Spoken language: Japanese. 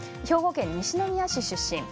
兵庫県西宮市出身。